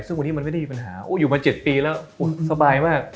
ซึ่งวันนี้มันไม่ได้มีปัญหาโอ้อยู่มา๗ปีแล้วสบายมาก